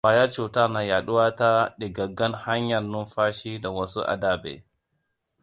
Kwayan cutar na yaɗuwa ta ɗigaggan hanyar numfashi da wasu ababe.